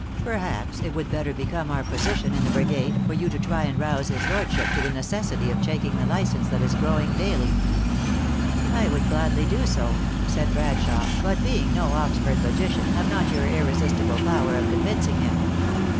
Perhaps it would bet ter become your position in the brigade, for you to try and rouse his lordship to the necessity of checking the license that is growing daily." THE ACTKESS IN HIGH LIFE. 335 " I would gladly do so," said Bradshawe; but being no Oxford logician, have not your irresistible power of convincing him.